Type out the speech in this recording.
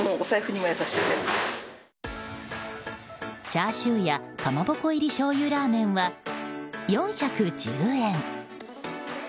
チャーシューやかまぼこ入り醤油ラーメンは４１０円。